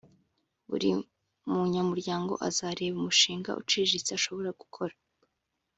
Buri munyamuryango azareba umushinga uciriritse ashobora gukora